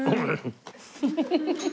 フフフフ。